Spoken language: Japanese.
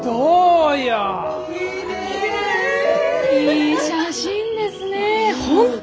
いい写真ですね本当